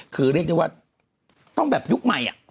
คือเรียกได้ว่าต้องแบบยุคใหม่